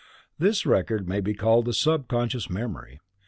This record may be called the sub conscious memory.